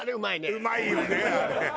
うまいよねあれ。